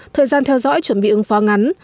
thời gian theo dõi chuẩn bị ứng phó ngắn